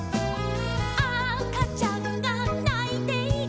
「あかちゃんがないている」